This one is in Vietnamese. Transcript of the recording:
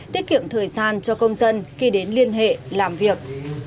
tiết kiệm thời gian cho công dân khi đến liên hệ làm việc